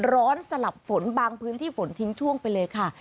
สลับฝนบางพื้นที่ฝนทิ้งช่วงไปเลยค่ะ